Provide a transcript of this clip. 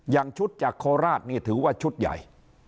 อย่างชุดจากโคราชนี่ถือว่าชุดใหญ่